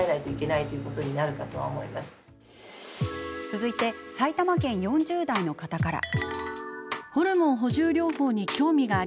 続いて、埼玉県４０代の方から。